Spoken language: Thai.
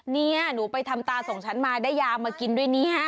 เนี่ยหนูไปทำตาสองชั้นมาได้ยามากินด้วยเนี่ย